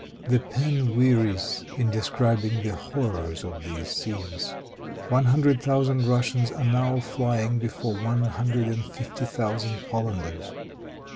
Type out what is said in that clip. The pen wearies in describing the horrors of these scenes. One hundred thousand Russians are now flying before one hundred and fifty thousand Polanders.